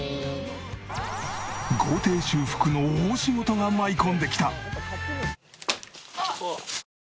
豪邸修復の大仕事が舞い込んできた！